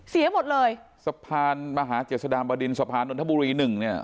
เสียหมดเลยสะพานมหาเจษฎาบดินสะพานนทบุรีหนึ่งเนี่ย